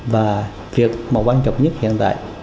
và việc mà quan trọng nhất hiện tại